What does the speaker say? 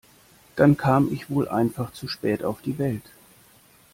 Dann kam ich wohl einfach zu spät auf die Welt.